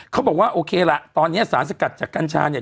เขาบอกว่าโอเคล่ะตอนนี้สารสกัดจากกัญชาเนี่ย